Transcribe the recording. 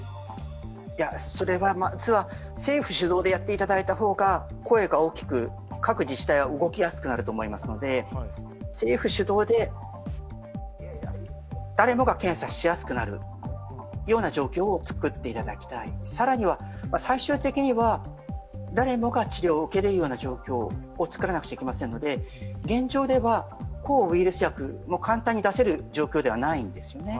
それは、政府主導でやっていただいた方が声が大きく各自治体は動きやすくなると思いますので、政府主導で誰もが検査しやすくなるような状況を作っていただきたい、更には、最終的には誰もが治療を受けれるような状況を作らなくちゃいけませんので、現状では抗ウイルス薬も簡単に出せる状況ではないんですよね。